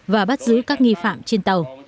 và bắt giữ các nghi phạm trên tàu